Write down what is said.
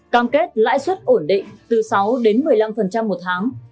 cam kết lãi suất ổn định từ sáu đến một mươi năm một tháng